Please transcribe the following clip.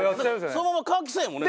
そのまま乾きそうやもんね。